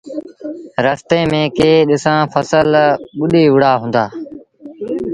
رستي ميݩ ڪيٚ ڏسآݩ ڦسل ٻُڏي وُهڙآ هُݩدآ۔